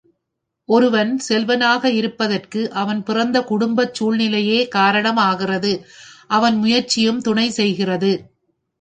ஒருவன் செல்வனாக இருப்பதற்கு அவன் பிறந்த குடும்பச் சூழ்நிலையே காரணம் ஆகிறது அவன் முயற்சியும் துணை செய்கிறது.